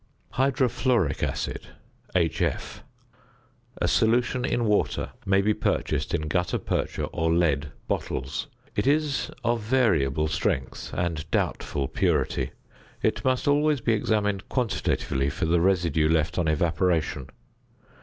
~Hydrofluoric Acid, HF.~ A solution in water may be purchased in gutta percha or lead bottles. It is of variable strength and doubtful purity. It must always be examined quantitatively for the residue left on evaporation.